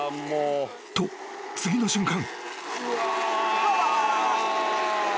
［と次の瞬間］